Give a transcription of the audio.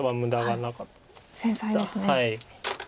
はい。